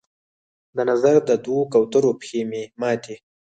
د نظر د دوو کوترو پښې مې ماتي